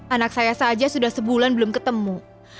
anak saya saja sudah sebulan belum ketemu